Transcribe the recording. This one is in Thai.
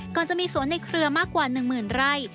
ก่อนจะมีสวนในเครือมากกว่า๑๐๐๐ไร่